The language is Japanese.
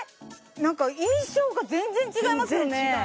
なんか印象が全然違いますよね